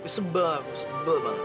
sebel aku sebel banget